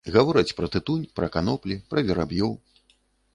Гавораць пра тытунь, пра каноплі, пра вераб'ёў.